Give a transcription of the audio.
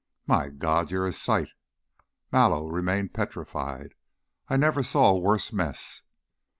"My God, you're a sight!" Mallow remained petrified. "I never saw a worse mess."